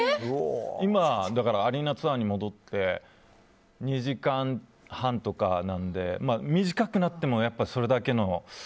今、アリーナツアーに戻って２時間半とかなんで短くなっても、それだけ。